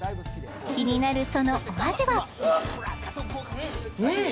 気になるそのお味はうん！